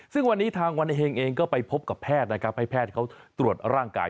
ซึ่งวันนี้ทางวันเฮงเองก็ไปพบกับแพทย์นะครับให้แพทย์เขาตรวจร่างกาย